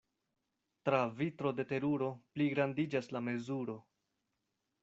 Tra vitro de teruro pligrandiĝas la mezuro.